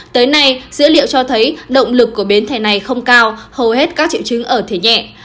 tới nay dữ liệu cho thấy động lực của biến thể này không cao hầu hết các triệu chứng ở thể nhẹ